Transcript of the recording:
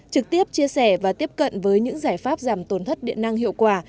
trực tiếp chia sẻ và tiếp cận với những giải pháp giảm tổn thất điện năng hiệu quả